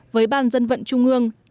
với ban dân vận trung ương